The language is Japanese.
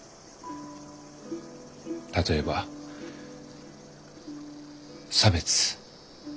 例えば差別。